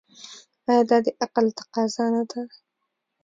آیا دا د عقل تقاضا نه ده؟